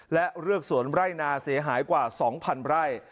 และเรือกสวนไร่นาเสียหายกว่า๒๐๐๐ไร่